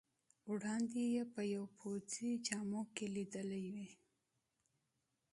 وړاندې یې په پوځي جامو کې لیدلی وې.